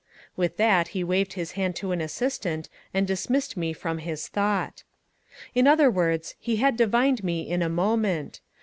With that he waved his hand to an assistant and dismissed me from his thought. In other words, he had divined me in a moment.